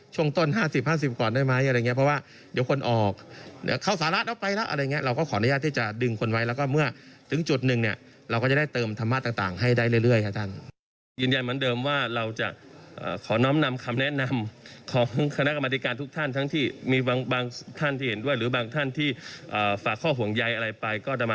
ฉะนั้นเราก็ขออนุญาตว่าอาจจะไม่เติมธรรมะ๗๐